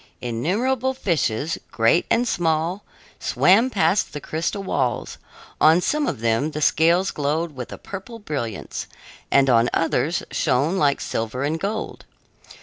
Innumerable fishes, great and small, swam past the crystal walls; on some of them the scales glowed with a purple brilliance, and on others shone like silver and gold.